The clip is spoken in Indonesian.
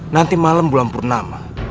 nanti malam bulan purnama